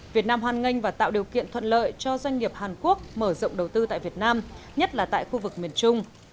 việt nam hoan nghênh và tạo điều kiện thuận lợi cho doanh nghiệp hàn quốc mở rộng đầu tư tại việt nam nhất là tại khu vực miền trung